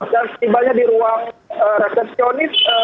dan setimbanya di ruang resepsionis